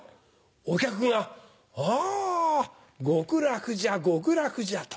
お客が「あ極楽じゃ極楽じゃ」と。